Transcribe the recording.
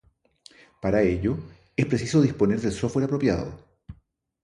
Para ello, es preciso disponer del software apropiado.